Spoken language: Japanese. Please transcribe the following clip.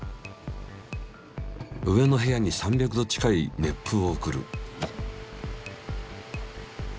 上の部屋に３００℃近い熱風を送る。